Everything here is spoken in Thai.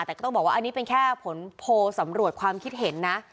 แต่ก็ต้องบอกว่าอันนี้เป็นแค่ผลโพลสำรวจความคิดเห็นนะ